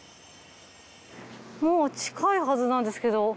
もう近いはずなんですけど。